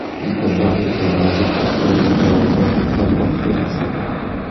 د بانک دروازه د ټولو هیوادوالو پر مخ خلاصه ده.